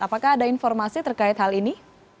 apakah ada informasi terkait hal ini